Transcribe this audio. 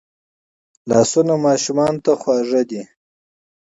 لاسونه ماشومانو ته خواږه دي